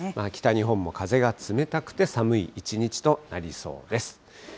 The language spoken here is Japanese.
北日本も風が冷たくて、寒い一日となりそうです。